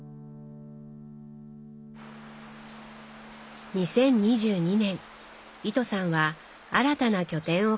２０２２年糸さんは新たな拠点を構えました。